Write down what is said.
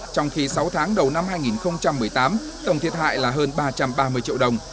trong khi sáu tháng đầu năm hai nghìn một mươi tám tổng thiệt hại là hơn ba trăm ba mươi triệu đồng